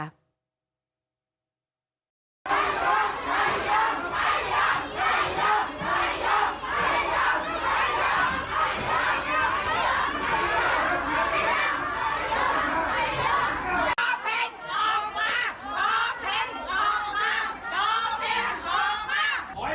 ไม่ยอมไม่ยอมไม่ยอมไม่ยอม